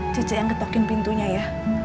cucu yang ketukin pintunya ya